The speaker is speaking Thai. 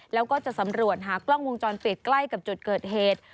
แล้วก็จะสำรวจหากล้องวงจรปิดใกล้กับจุดเกิดเหตุ